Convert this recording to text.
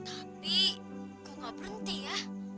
tapi gue gak berhenti ya